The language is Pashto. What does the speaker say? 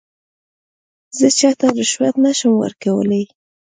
زه چاته رشوت نه شم ورکولای.